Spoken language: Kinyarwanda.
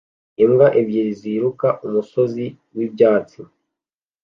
Imbwa ebyiri ziruka umusozi wibyatsi